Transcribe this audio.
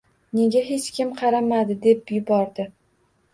“Nega hech kim qaramadi!” – deb yubordi